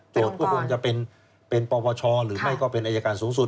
ก็คงจะเป็นปปชหรือไม่ก็เป็นอายการสูงสุด